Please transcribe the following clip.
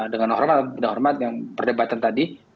dengan tidak hormat yang berdebatan tadi